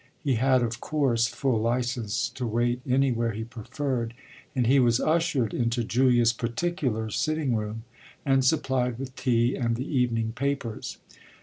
He had of course full licence to wait anywhere he preferred; and he was ushered into Julia's particular sitting room and supplied with tea and the evening papers.